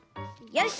よし。